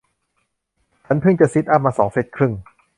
ฉันเพิ่งจะซิทอัพมาสองเซ็ทครึ่ง